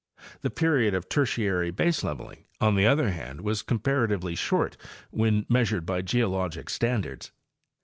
The period of Tertiary baseleveling, on the other hand, was comparatively short when measured by geologic standards.